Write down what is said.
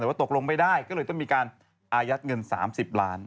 แต่ว่าตกลงไม่ได้ก็เลยต้องมีการอายัดเงิน๓๐ล้าน